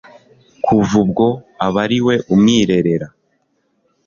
kuva ubwo aba ari we umwirerera